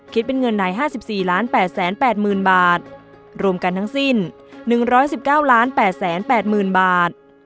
เป็นเงินไหน๕๔๘๘๐๐๐บาทรวมกันทั้งสิ้น๑๑๙๘๘๐๐๐บาท